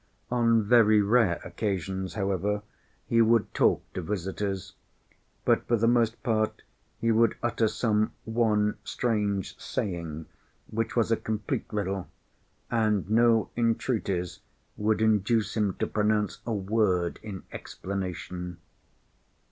On very rare occasions, however, he would talk to visitors, but for the most part he would utter some one strange saying which was a complete riddle, and no entreaties would induce him to pronounce a word in explanation.